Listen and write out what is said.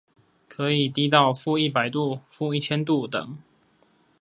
可以低到負一百度、負一千度等